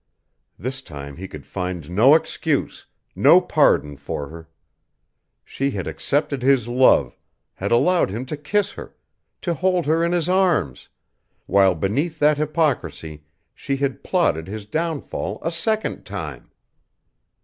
This time he could find no excuse no pardon for her. She had accepted his love had allowed him to kiss her, to hold her in his arms while beneath that hypocrisy she had plotted his downfall a second time.